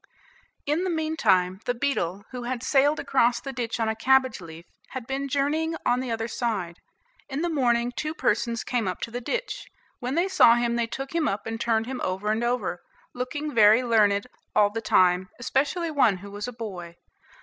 In the mean time the beetle, who had sailed across the ditch on a cabbage leaf, had been journeying on the other side. In the morning two persons came up to the ditch. When they saw him they took him up and turned him over and over, looking very learned all the time, especially one, who was a boy.